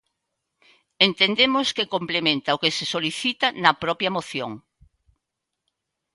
Entendemos que complementa o que se solicita na propia moción.